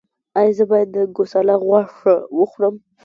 ایا زه باید د ګوساله غوښه وخورم؟